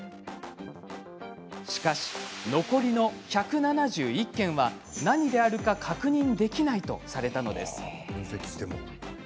しかし、残りの１７１件は何であるか確認できないとされたのです。